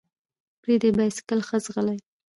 ـ پردى بايسکل ښه ځغلي.